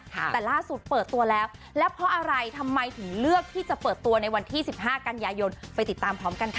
แต่ล่าสุดเปิดตัวแล้วแล้วเพราะอะไรทำไมถึงเลือกที่จะเปิดตัวในวันที่๑๕กันยายนไปติดตามพร้อมกันค่ะ